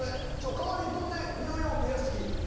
代わりに飛んで「ニューヨーク」屋敷。